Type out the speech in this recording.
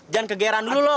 jangan kegeran dulu lo